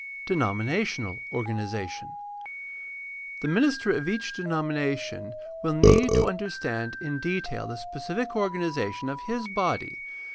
Denominational organization. — The minister of each de nomination will need to understand in detail the specific organ ization of his body.